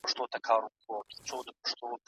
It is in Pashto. د هیواد د ابادۍ لپاره کوښښ وکړئ.